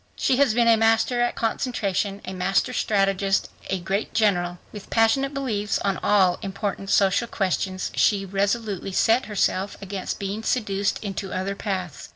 She has been a master at concentration, a master strategist a great general. With passionate beliefs on all important social questions, she resolutely set herself against being seduced into other paths.